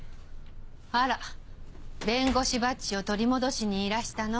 あら弁護士バッジを取り戻しにいらしたの？